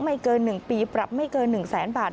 ไม่เกิน๑ปีปรับไม่เกิน๑แสนบาท